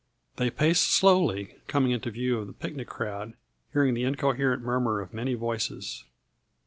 They paced slowly, coming into view of the picnic crowd, hearing the incoherent murmur of many voices.